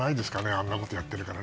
あんなことやってるから。